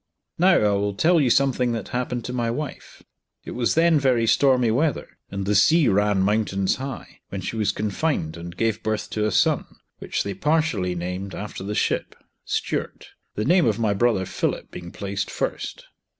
Now I will tell you something that happened to my wife. It was then very stormy weather, and the sea ran mountains high, when she was confined and gave birth to a son, which they partially named after the ship, Stuart; the name of my brother Philip, being placed first.